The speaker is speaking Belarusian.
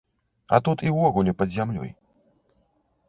А тут і ўвогуле, пад зямлёй.